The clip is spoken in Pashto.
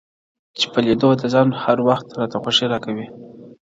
چي په ليدو د ځان هر وخت راته خوښـي راكوي.